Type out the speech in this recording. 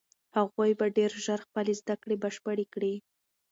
هغوی به ډېر ژر خپلې زده کړې بشپړې کړي.